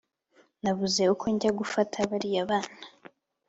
Nabuze uko njya gufata bariya bana